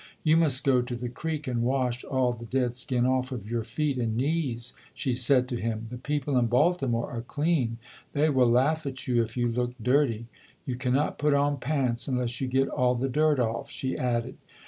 "You must go to the creek and wash all the dead skin off of your feet and knees," she said to him. "The people in Baltimore are clean. They will laugh at you if you look dirty. You can not put on pants unless you get all the dirt off", she added.